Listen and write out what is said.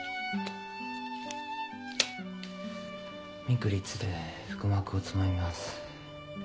ミクリッツで腹膜をつまみます。